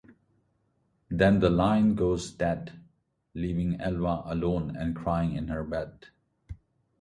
Then the line goes dead, leaving Elva alone and crying in her bed.